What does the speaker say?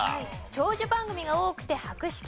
長寿番組が多くて博識。